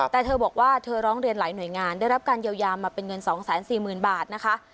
แต่เธอบอกว่าเธอร้องเรียนหลายหน่วยงานได้รับการเยียวยามาเป็นเงิน๒๔๐๐๐บาทนะคะ